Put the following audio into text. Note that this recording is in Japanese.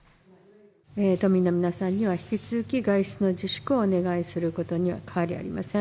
都民の皆さんには引き続き外出の自粛をお願いすることには変わりありません。